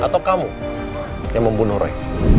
atau kamu yang membunuh roy